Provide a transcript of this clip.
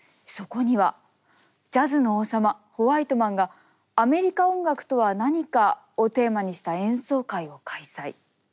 そこにはジャズの王様ホワイトマンが「アメリカ音楽とは何か」をテーマにした演奏会を開催。